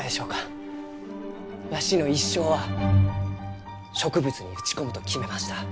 わしの一生は植物に打ち込むと決めました。